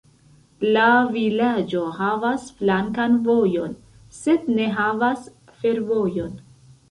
La vilaĝo havas flankan vojon sed ne havas fervojon.